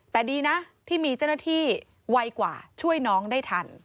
แต่ดีนะที่มีเจ้าหน้าที่ไวกว่าช่วยน้องได้ทัน